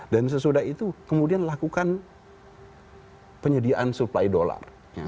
dan sesudah itu kemudian lakukan penyediaan supply dollar